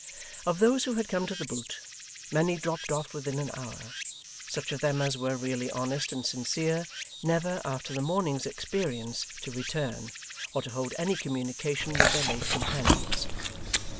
Of those who had come to The Boot, many dropped off within an hour; such of them as were really honest and sincere, never, after the morning's experience, to return, or to hold any communication with their late companions.